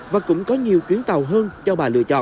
và cũng có nhiều chuyến tàu hơn cho bà lựa chọn